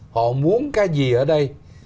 họ muốn cái gì ở đây